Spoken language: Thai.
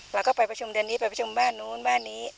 เราก็ไปประชุมเดือนนี้ไปประชุมบ้านนู้นบ้านนี้